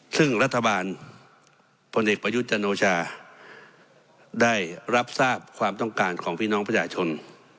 ซึ่งรัฐบาลพลเอกประยุทธ์จันโอชาได้รับทราบความต้องการของพี่น้องประชาชน